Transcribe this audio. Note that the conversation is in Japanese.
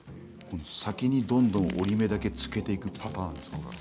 先にどんどん折り目だけつけていくパターンですか？